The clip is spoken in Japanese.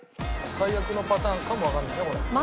最悪のパターンかもわかんないねこれ。